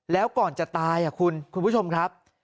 แล้วก่อนจะตายคุณผู้ชมครับ